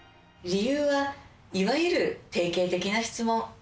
理由はいわゆる典型的な質問